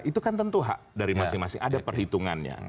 itu kan tentu hak dari masing masing ada perhitungannya